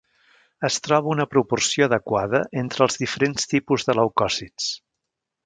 Es troba una proporció adequada entre els diferents tipus de leucòcits.